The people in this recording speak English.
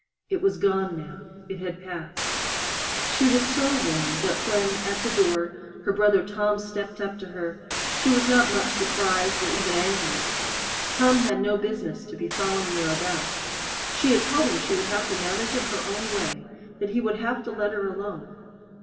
It was gone now. It had passed. She was so worn that when, at the door, her brother Tom stepped up to her she was not much surprised or even angry. Tom had no business to be following her about. She had told him that she would have to manage it her own way that he would have to let her alone.